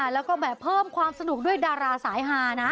แล้วก็แบบเพิ่มความสนุกด้วยดาราสายฮานะ